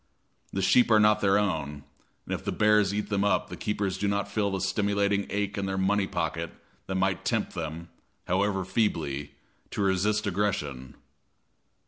The sheep are not their own, and if the bears eat them up the keepers do not feel the stimulating ache in their money pocket that might tempt them, however feebly, to resist aggression.